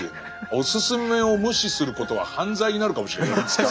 おすすめを無視することは犯罪になるかもしれないいつか。